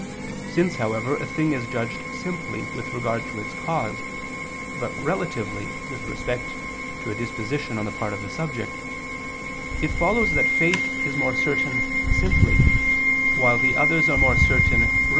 Since, however, a thing is judged simply with regard to its cause, but relatively, with respect to a disposition on the part of the subject, it follows that faith is more certain simply, while the others are more certain relatively, i.e.